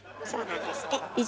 そうなんですって。